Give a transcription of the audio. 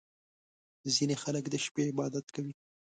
• ځینې خلک د شپې عبادت کوي.